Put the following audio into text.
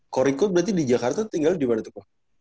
korikul berarti di jakarta tinggal di mana tuh kok